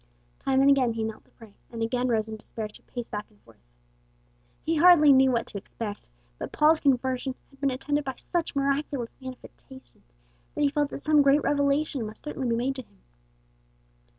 Time and again he knelt to pray, and again rose in despair to pace back and forth. He hardly knew what to expect, but Paul's conversion had been attended by such miraculous manifestations that he felt that some great revelation must certainly be made to him.